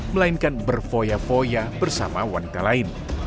melainkan berfoya foya bersama wanita lain